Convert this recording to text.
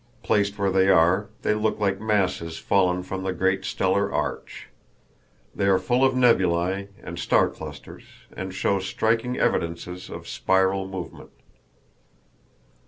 Placed where they are, they look like masses fallen from the great stellar arch. They are full of nebulæ and star clusters, and show striking evidences of spiral movement.